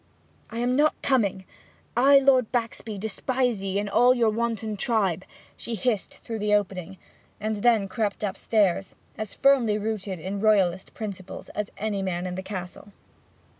'I am not coming! I, Lord Baxby, despise ye and all your wanton tribe!' she hissed through the opening; and then crept upstairs, as firmly rooted in Royalist principles as any man in the Castle.